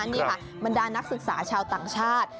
นี่ค่ะบรรดานักศึกษาชาวต่างชาติ